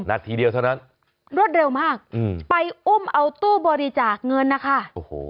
นาทีเดียวเท่านั้นรวดเร็วมากอืมไปอุ้มเอาตู้บริจาคเงินนะคะโอ้โห